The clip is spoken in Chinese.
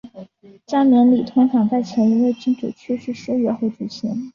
加冕礼通常在前一位君主去世数月后举行。